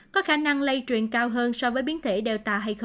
có khả năng lây truyền cao hơn so với biến thể đều